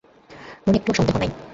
মনে একটুও সন্দেহ নাই।